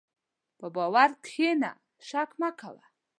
په باور کښېنه، شک مه کوه.